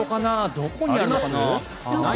どこにあるのかな？